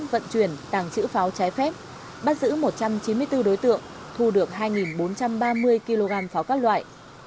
vận chuyển tàng trữ pháo trái phép bắt giữ một trăm chín mươi bốn đối tượng thu được hai bốn trăm ba mươi kg pháo các loại